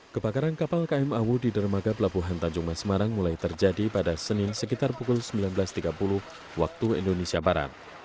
kebakaran kapal km awu di dermaga pelabuhan tanjung mas semarang mulai terjadi pada senin sekitar pukul sembilan belas tiga puluh waktu indonesia barat